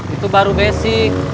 itu baru basic